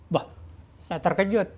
bah saya terkejut